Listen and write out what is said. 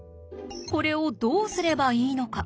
これをどうすればいいのか。